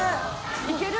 いける？